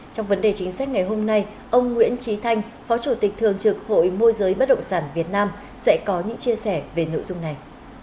trong vấn đề chính sách ngày hôm nay ông nguyễn trí thanh phó chủ tịch thường trực hội môi giới bất động sản việt nam sẽ có những chia sẻ về nội dung này